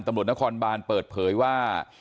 ตำรวจนครบานเปิดเผยว่า